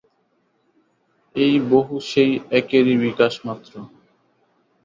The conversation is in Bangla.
এই বহু সেই একেরই বিকাশমাত্র।